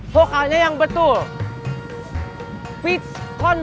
yok kelapa kelapa kelapa kan